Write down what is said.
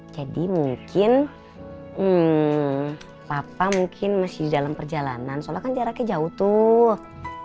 jadi mungkin papa masih dalam perjalanan soalnya jaraknya jauh tuh